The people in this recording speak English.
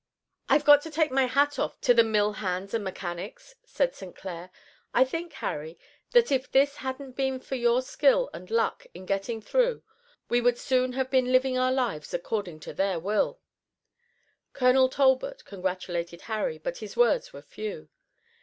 "I've got to take my hat off to the mill hands and mechanics," said St. Clair. "I think, Harry, that if it hadn't been for your skill and luck in getting through we would soon have been living our lives according to their will." Colonel Talbot congratulated Harry, but his words were few.